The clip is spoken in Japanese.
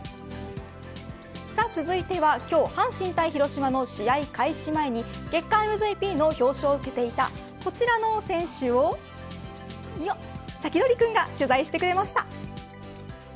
さあ、続いては今日阪神対広島の試合開始前に月間ＭＶＰの表彰を受けていたこちらの選手をサキドリくんが取材してくれました。